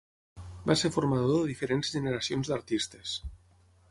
Va ser formador de diferents generacions d'artistes.